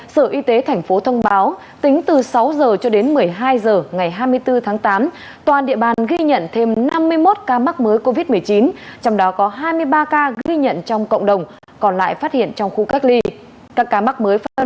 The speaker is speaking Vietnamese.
xin chào và hẹn gặp lại